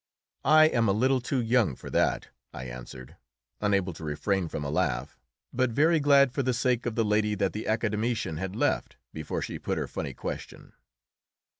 "I am a little too young for that," I answered, unable to refrain from a laugh, but very glad for the sake of the lady that the Academician had left before she put her funny question.